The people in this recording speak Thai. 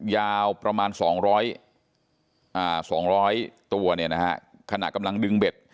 ยาวประมาณ๒๐๐ตัวขณะกำลังดึงเบ็ด